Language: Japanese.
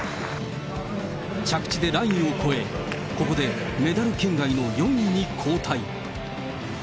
着地でラインを越え、ここでメダル圏外の４位に後退。